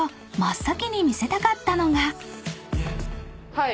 はい。